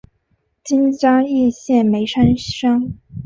今嘉义县梅山乡。